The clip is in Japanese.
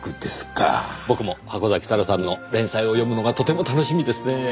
僕も箱崎咲良さんの連載を読むのがとても楽しみですねぇ。